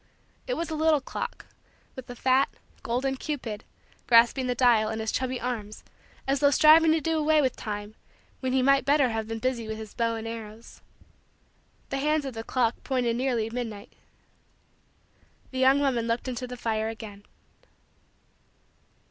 It was a little clock with a fat, golden, cupid grasping the dial in his chubby arms as though striving to do away with time when he might better have been busy with his bow and arrows. The hands of the clock pointed nearly midnight. The young woman looked into the fire again.